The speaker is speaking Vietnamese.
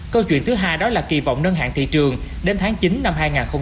câu chuyện thứ hai đó là kỳ vọng nâng hạn thị trường đến tháng chín năm hai nghìn hai mươi